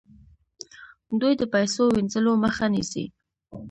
دوی د پیسو وینځلو مخه نیسي.